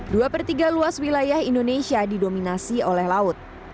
dua per tiga luas wilayah indonesia didominasi oleh laut